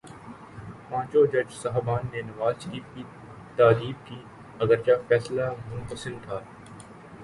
پانچوں جج صاحبان نے نواز شریف کی تادیب کی، اگرچہ فیصلہ منقسم تھا۔